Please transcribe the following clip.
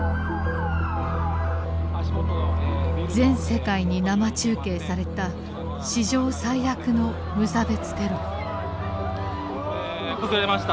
全世界に生中継された史上最悪の「崩れました。